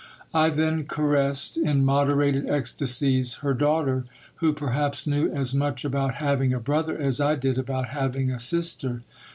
I then caressed, in moderated ecstasies, her daughter, who perhaps knew as much about having a brother as I did about having a sister.